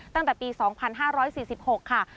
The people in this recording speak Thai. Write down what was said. ตั้งแต่ปี๒๕๔๖ค่ะ